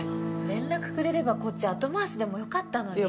連絡くれればこっち後回しでもよかったのに。